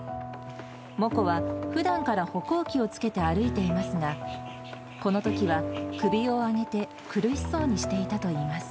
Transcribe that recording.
モコはふだんから歩行器をつけて歩いていますが、このときは首を上げて苦しそうにしていたといいます。